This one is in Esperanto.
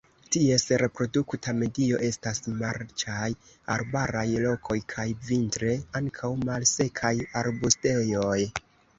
Ties reprodukta medio estas marĉaj arbaraj lokoj kaj vintre ankaŭ malsekaj arbustejoj.